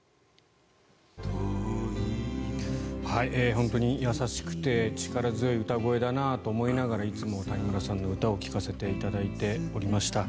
本当に、優しくて力強い歌声だなと思いながらいつも谷村さんの歌を聴かせていただいておりました。